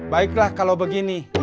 baiklah kalau begini